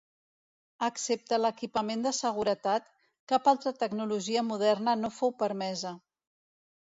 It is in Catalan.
Excepte l'equipament de seguretat, cap altra tecnologia moderna no fou permesa.